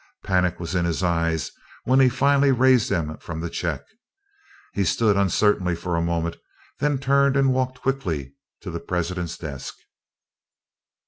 Panic was in his eyes when he finally raised them from the check. He stood uncertainly for a moment, then turned and walked quickly to the president's desk.